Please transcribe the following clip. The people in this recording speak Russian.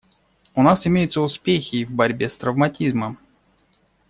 У нас имеются успехи и в борьбе с травматизмом.